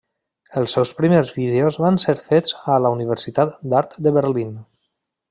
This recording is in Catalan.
Els seus primers vídeos van ser fets a la Universitat d'Art de Berlín.